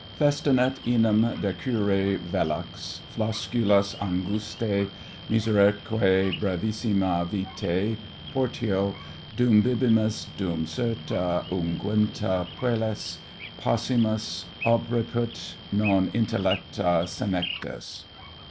Festinat enim decurrere velox Flosculus angustae miseraeque brevissima vitae Portio! dum bibimus, dum serta, unguenta, puellas Poscimus, obrepit non intellecta senectus.